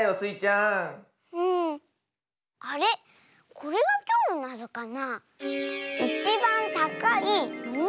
これがきょうのなぞかな。